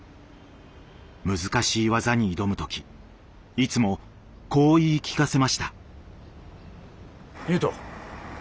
難しい技に挑む時いつもこう言い聞かせました。